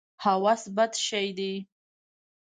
هوس بد شی دی.